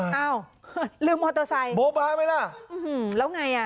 อ้าวลืมมอเตอร์ไซค์โมบาไหมล่ะแล้วไงอ่ะ